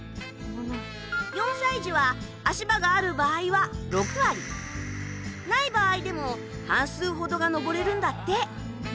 ４歳児は足場がある場合は６割ない場合でも半数ほどが登れるんだって。